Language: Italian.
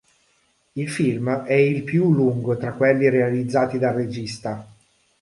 Il film è il più lungo tra quelli realizzati dal regista.